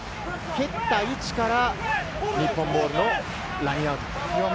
蹴った位置から日本ボールのラインアウト。